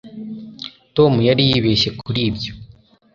tom yari yibeshye kuri ibyo